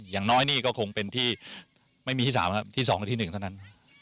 อย่างน้อยนี่ก็คงเป็นที่ไม่มีที่สามที่สองแค่ที่หนึ่งเท่านั้น